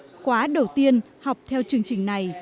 khóa đầu tiên học theo chương trình này